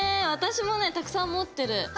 私もねたくさん持ってる！